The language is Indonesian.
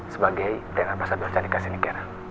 sebagai diner basa bersanikasiniker